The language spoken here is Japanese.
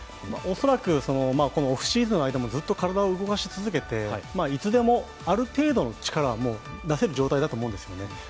恐らくオフシーズンの間もずっと体を動かし続けて、いつでも、ある程度の力は出せる状態だと思うんですよね。